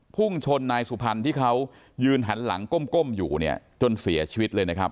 พุ่งชนนายสุพรรณที่เขายืนหันหลังก้มอยู่เนี่ยจนเสียชีวิตเลยนะครับ